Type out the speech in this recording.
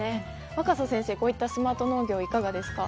若狭先生、こういったスマート農業いかがですか。